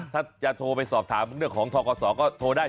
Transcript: ถ้าจะโทรไปสอบถามเรื่องของทกศก็โทรได้